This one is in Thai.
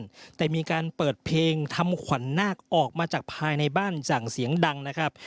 แต่มีการเปิดเพลงทำขวัญนาคออกมาจากภายในบ้านอย่างเสียงดังนะครับ